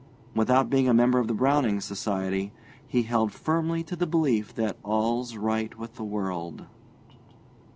Without being a member of the Browning Society, he held firmly to the belief that all's right with the world.